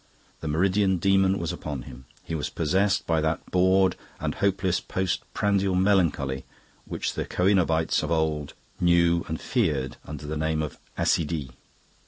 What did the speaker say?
The meridian demon was upon him; he was possessed by that bored and hopeless post prandial melancholy which the coenobites of old knew and feared under the name of "accidie."